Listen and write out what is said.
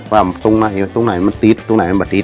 ว่าตรงไหนมันติดตรงไหนมันบัดติด